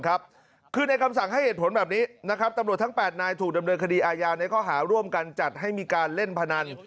คือในคำสั่งให้เหตุผลแบบนี้นะครับตำรวจทั้ง๘นายถูกดำเนินคดีอาญาในข้อหาร่วมกันจัดให้มีการเล่นพนัน